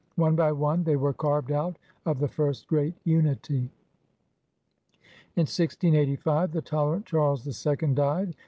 One by one they were carved out of the first great unity. In 1685 the tolerant Charles the Second died.